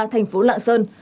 thành phố lạng sơn